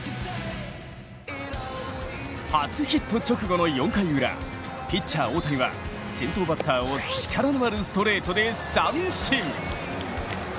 初ヒット直後の４回ウラピッチャー・大谷は先頭バッターを力のあるストレートで三振。